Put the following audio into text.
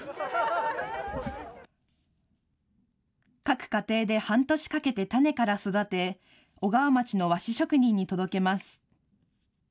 各家庭で半年かけて種から育て小川町の和紙職人に届けます。